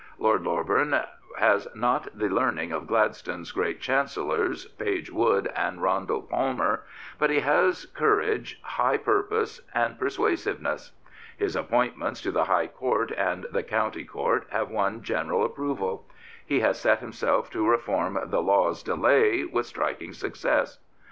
Lord Loreburn has not the learning of Gladstone's great Chancellors, Page Wood and Roundell Palmer, but he has courage, high pur pose, and persuasiveness. His appointments to the High Court and the County Court have won general approval. He has set himself to reform the law's delay " with striking success.